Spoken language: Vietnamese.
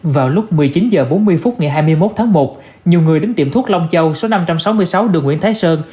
vào lúc một mươi chín h bốn mươi phút ngày hai mươi một tháng một nhiều người đến tiệm thuốc long châu số năm trăm sáu mươi sáu đường nguyễn thái sơn